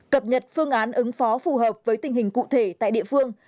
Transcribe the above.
cập nhật phương án ứng phó phù hợp với tình hình cụ thể tại địa phương